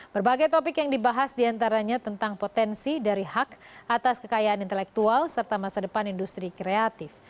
berbagai topik yang dibahas diantaranya tentang potensi dari hak atas kekayaan intelektual serta masa depan industri kreatif